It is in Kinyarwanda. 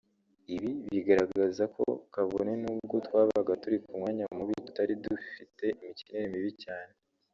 Ibi bigaragaza ko kabone nubwo twabaga turi ku mwanya mubi tutari dufite imikinire mibi cyane